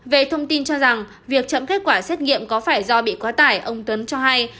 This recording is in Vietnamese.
về thông tin cho rằng việc chậm kết quả xét nghiệm có phải do bị quá tải ông tuấn cho hay